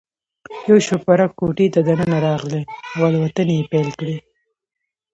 یو شوپرک کوټې ته دننه راغلی او الوتنې یې پیل کړې.